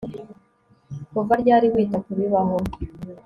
Kuva ryari wita kubibaho